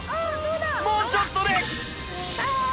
もうちょっとで